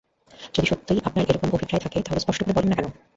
যদি সত্যিই আপনার এরকম অভিপ্রায় থাকে তা হলে স্পষ্ট করে বলেন না কেন?